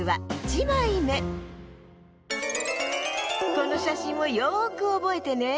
このしゃしんをよくおぼえてね。